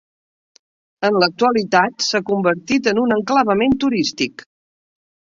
En l'actualitat s'ha convertit en un enclavament turístic.